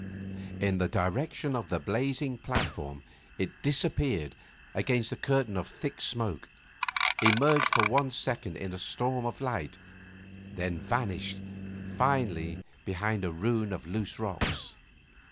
In the direction of the blazing platform it disappeared against a curtain of thick smoke, emerged for one second in a storm of light, then vanished finally behind a ruin of loose rocks.